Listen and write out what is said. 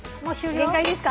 限界ですか？